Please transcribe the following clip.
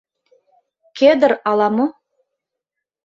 Кедр ала-мо.